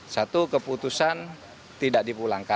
satu keputusan tidak diperhitungkan